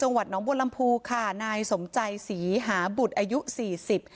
วัดน้องบัวลำพูค่ะนายสมใจศรีหาบุตรอายุสี่สิบ